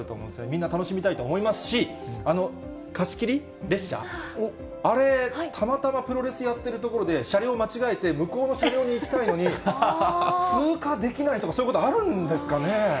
みんな楽しみたいと思いますし、あの貸し切り列車、あれ、たまたまプロレスやってる所で車両間違えて、向こうの車両に行きたいのに、通過できないとか、そういうことあるんですかね？